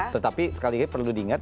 tetapi sekali lagi perlu diingat